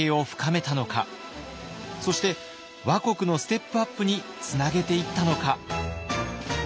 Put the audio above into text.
そして倭国のステップアップにつなげていったのか。